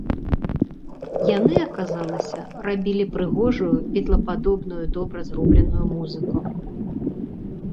Яны, аказалася, рабілі прыгожую бітлападобную добра зробленую музыку.